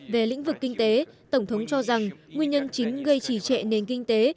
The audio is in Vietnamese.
về lĩnh vực kinh tế tổng thống cho rằng nguyên nhân chính gây trì trệ nền kinh tế